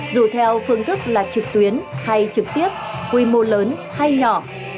dù theo phương thức là trực tuyến hay trực tiếp quy mô lớn hay nhỏ